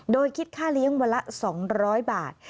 โดยคิดค่าเลี้ยงวันละ๒๐๐บาท